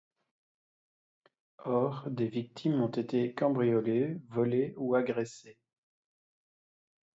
Or des victimes ont été cambriolées, volées ou agressées.